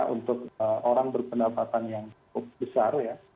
untuk orang berpendapatan yang cukup besar ya